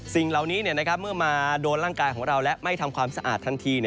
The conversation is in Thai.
สิ่งเหล่านี้เมื่อมาโดนร่างกายของเราและไม่ทำความสะอาดทันที